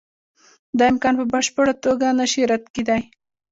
دا امکان په بشپړه توګه نشي رد کېدای.